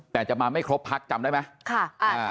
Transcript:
แต่จะมาไม่ครบภักดิ์จำได้ไหมอเรนนี่ค่ะ